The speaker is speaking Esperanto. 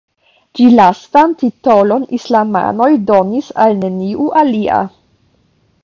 Ĉi-lastan titolon islamanoj donis al neniu alia.